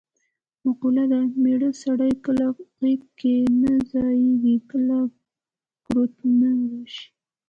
مقوله ده: مېړه سړی کله غېږ کې نه ځایېږې کله ګروت ته راشي.